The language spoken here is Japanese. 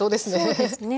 そうですね。